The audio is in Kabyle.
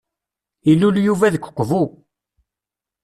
Ilul Yuba deg uqbu.